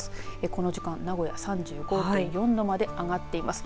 この時間名古屋３５．４度まで上がっています。